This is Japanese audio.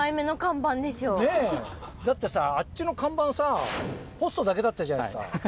佑Аだってあっちの看板ポストだけだったじゃないですか。